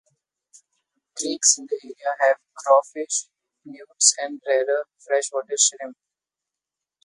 Creeks in the area have crawfish, newts and rarer freshwater shrimp.